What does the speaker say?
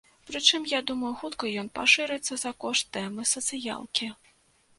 Прычым, я думаю, хутка ён пашырыцца за кошт тэмы сацыялкі.